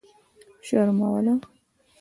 شر ملوه.